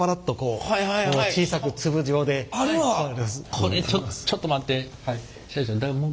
これちょっと待って。